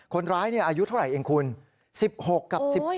คนร้ายอายุเท่าไหร่เองคุณ๑๖กับ๑๗